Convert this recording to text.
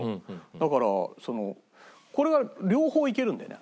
だからそのこれは両方いけるんだよね。